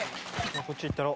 こっち行ったろ。